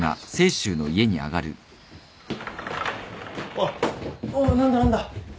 おっお何だ何だ。